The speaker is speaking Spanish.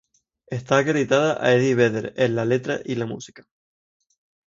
Está acreditada a Eddie Vedder en la letra y la música.